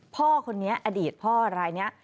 พ่อคนนี้อดีตพ่อรายนี้